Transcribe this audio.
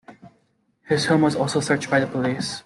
His home was also searched by the police.